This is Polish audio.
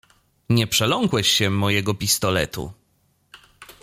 "Nie przeląkłeś się mojego pistoletu."